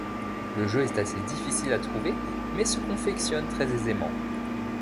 Le jeu est assez difficile à trouver mais se confectionne très aisément.